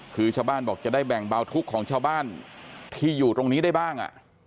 คือชาวบ้านบอกจะได้แบ่งเบาทุกข์ของชาวบ้านที่อยู่ตรงนี้ได้บ้าง